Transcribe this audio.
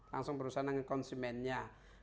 langsung berurusan dengan konsumennya